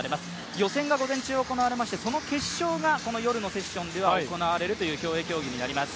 予選が午前中行われまして、その決勝がこの夜のセッションでは行われるという競泳になります。